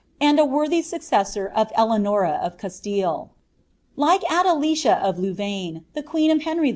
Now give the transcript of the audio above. aaJ ■ worthy successor to Eleanora of Cuaiille. Like Adelicia of LouTnine, the queen of Henry I.